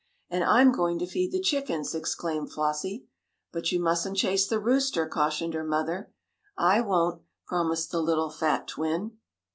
"And I'm going to feed the chickens," exclaimed Flossie. "But you mustn't chase the rooster," cautioned her mother. "I won't," promised the little fat twin.